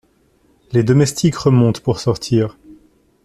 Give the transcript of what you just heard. Les domestiques remontent pour sortir.